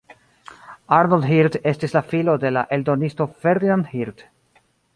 Arnold Hirt estis la filo de la eldonisto Ferdinand Hirt.